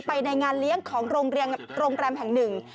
ในงานเลี้ยงของโรงแรมแห่งหนึ่ง